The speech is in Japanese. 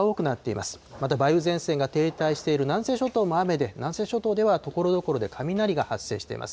また梅雨前線が停滞している南西諸島も雨で、南西諸島ではところどころで雷が発生しています。